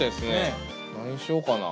何にしようかな。